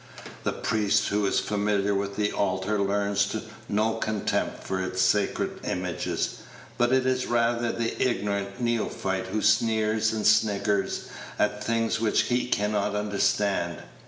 The priest who is familiar with the altar learns no contempt for its sacred images; but it is rather the ignorant neophyte who sneers and sniggers at things which he can not understand.